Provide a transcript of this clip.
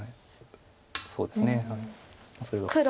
そうですねそれが普通。